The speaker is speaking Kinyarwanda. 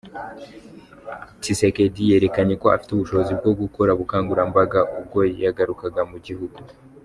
Tshisekedi yerekanye ko afite ubushobozi bwo gukora ubukangurambaga ubwo yagarukaga mu gihugu.